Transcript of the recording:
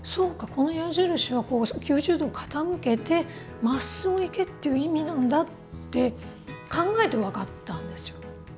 この矢印は９０度傾けてまっすぐ行けっていう意味なんだ」って考えて分かったんですよ。